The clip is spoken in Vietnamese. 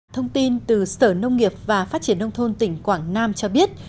thông tin từ sở nông nghiệp và phát triển nông thôn tỉnh quảng nam cho biết